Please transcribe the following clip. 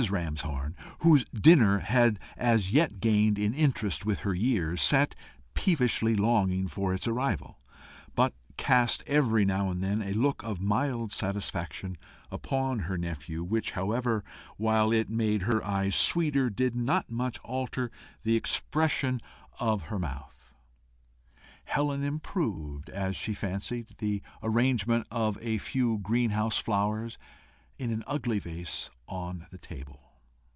Ramshorn, whose dinner had as yet gained in interest with her years, sat peevishly longing for its arrival, but cast every now and then a look of mild satisfaction upon her nephew, which, however, while it made her eyes sweeter, did not much alter the expression of her mouth. Helen improved, as she fancied, the arrangement of a few green house flowers in an ugly vase on the table.